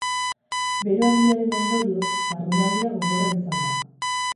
Bero handiaren ondorioz, jardunaldia gogorra izan da.